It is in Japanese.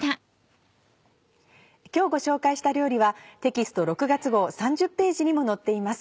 今日ご紹介した料理はテキスト６月号３０ページにも載っています。